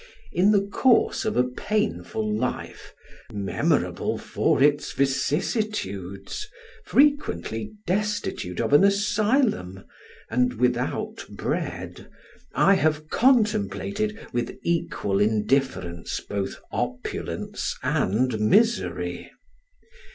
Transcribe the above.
In the course of a painful life, memorable for its vicissitudes, frequently destitute of an asylum, and without bread, I have contemplated, with equal indifference, both opulence and misery.